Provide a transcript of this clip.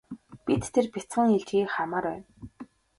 Бид тэр бяцхан илжгийг хармаар байна.